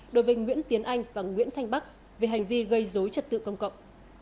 đối với nguyễn tiến anh và nguyễn thanh bắc về hành vi gây dối trật tự công cộng